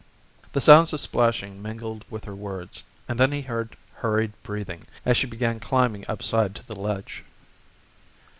The sounds of splashing mingled with her words, and then he heard her hurried breathing as she began climbing up side to the ledge.